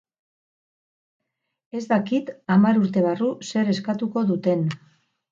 Ez dakit hamar urte barru zer eskatuko duten.